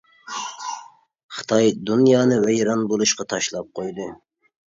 خىتاي دۇنيانى ۋەيران بولۇشقا تاشلاپ قويدى.